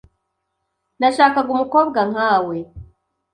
Nashakaga umukobwa nkawe.